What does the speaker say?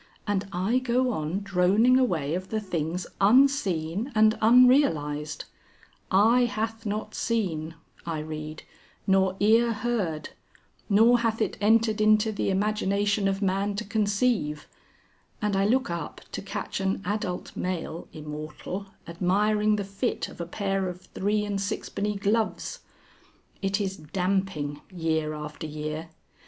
And I go on droning away of the things unseen and unrealised 'Eye hath not seen,' I read, 'nor ear heard, nor hath it entered into the imagination of man to conceive,' and I look up to catch an adult male immortal admiring the fit of a pair of three and sixpenny gloves. It is damping year after year.